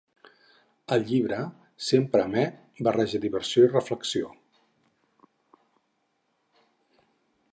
El llibre, sempre amè, barreja diversió i reflexió.